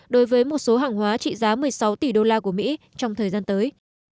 đối với một số hàng hóa trị giá một mươi sáu tỷ đô la của mỹ trong thời gian tới